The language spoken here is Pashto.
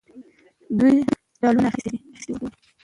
دوی ډالونه اخیستي وو.